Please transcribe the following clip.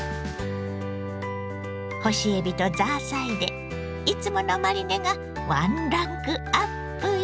干しエビとザーサイでいつものマリネがワンランクアップよ。